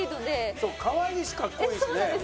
そうかわいいしかっこいいしね。